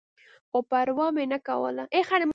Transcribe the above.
خو پروا مې نه کوله.